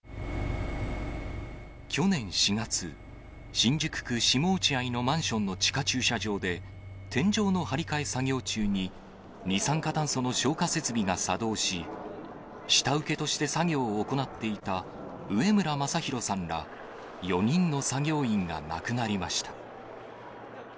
去年４月、新宿区下落合のマンションの地下駐車場で、天井の張り替え作業中に二酸化炭素の消火設備が作動し、下請けとして作業を行っていた上邨昌弘さんら４人の作業員が亡くなりました。